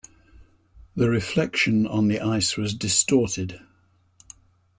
The reflection on the ice was distorted.